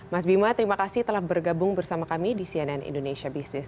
mas bima terima kasih telah bergabung bersama kami di cnn indonesia business